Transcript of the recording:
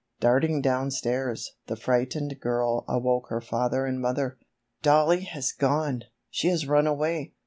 Darting downstairs, the frightened girl awoke her father and mother. "Dollie has gone! She has run away!"